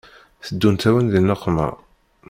Teddunt-awen di nneqma